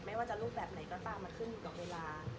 ไม่ว่าจะรูปแบบไหนก็ตามมันขึ้นอยู่กับเวลา